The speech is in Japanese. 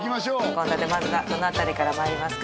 献立まずはどの辺りからまいりますか？